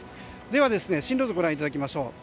では進路図をご覧いただきましょう。